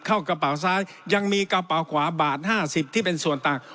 เข้ากระเป๋าซ้ายยังมีกระเป๋าขวาบาท๕๐ที่เป็นส่วนต่าง